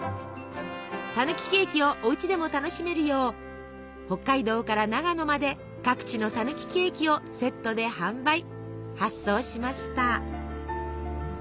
たぬきケーキをおうちでも楽しめるよう北海道から長野まで各地のたぬきケーキをセットで販売発送しました。